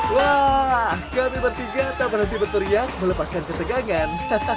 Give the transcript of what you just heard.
wah kami bertiga tak berhenti berteriak melepaskan ketegangan